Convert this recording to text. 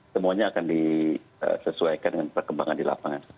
semuanya akan disesuaikan dengan perkembangan di lapangan